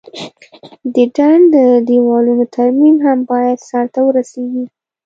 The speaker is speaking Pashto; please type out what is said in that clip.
د ډنډ د دیوالونو ترمیم هم باید سرته ورسیږي.